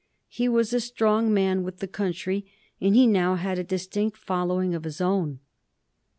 He was a strong man with the country, and he now had a distinct following of his own.